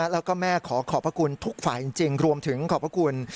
แล้วก็แม่ขอขอบพระคุณทุกฝ่ายจริงรวมถึงขอบพระคุณ